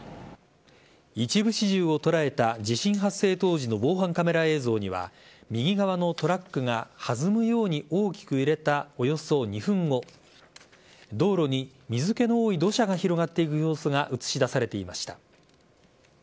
一部始終を捉えた地震発生当時の防犯カメラ映像には右側のトラックが弾むように大きく揺れたおよそ２分後道路に水気の多い土砂が広がっていく様子が映し出されていました。